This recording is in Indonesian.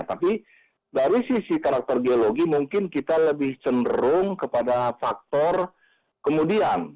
tapi dari sisi karakter geologi mungkin kita lebih cenderung kepada faktor kemudian